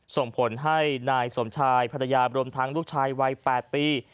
ส่งผลให้นายสมชายภรรยารวมทั้งลูกชายวัย๘ปี